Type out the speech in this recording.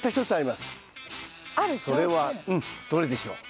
それはどれでしょう？